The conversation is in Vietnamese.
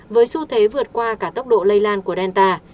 với xu thế vượt qua cả tốc độ lây lan của delta